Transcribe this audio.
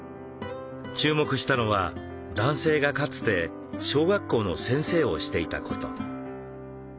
注目したのは男性がかつて小学校の先生をしていたこと。